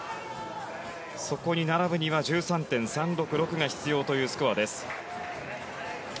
そこに並ぶには１３．３６６が必要というスコアです。